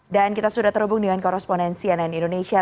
dan kita sudah terhubung dengan korrespondensi ann indonesia